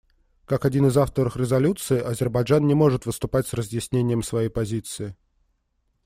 Как один из авторов резолюции Азербайджан не может выступать с разъяснением своей позиции.